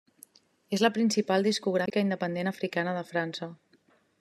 És la principal discogràfica independent africana de França.